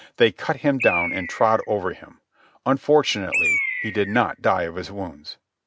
They cut him down and trod over him. Unfortunately he did not die of his wounds.